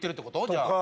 じゃあ。